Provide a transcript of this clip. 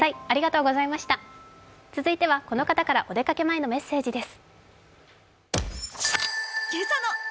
続いてはこの方からお出かけ前のメッセージです。